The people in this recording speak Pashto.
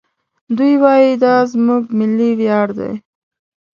دوی وايي دا زموږ ملي ویاړ دی.